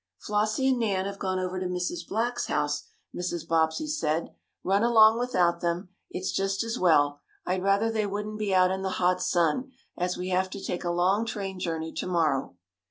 "Flossie and Nan have gone over to Mrs. Black's house," Mrs. Bobbsey said. "Run along without them. It's just as well. I'd rather they wouldn't be out in the hot sun, as we have to take a long train journey to morrow."